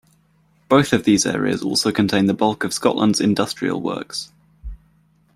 Both of these areas also contain the bulk of Scotland's industrial works.